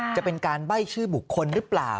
จะเป็นการใบ้ชื่อบุคคลหรือเปล่า